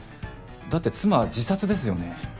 だって妻は自殺ですよね？